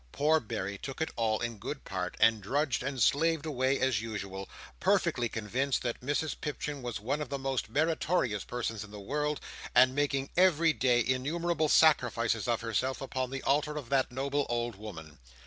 Poor Berry took it all in good part, and drudged and slaved away as usual; perfectly convinced that Mrs Pipchin was one of the most meritorious persons in the world, and making every day innumerable sacrifices of herself upon the altar of that noble old woman.